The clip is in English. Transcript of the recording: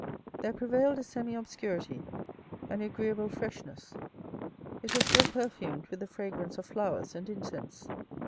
There prevailed a semi obscurity, an agreeable fresh ness. It was still perfumed with the fragrance of flowers and incense.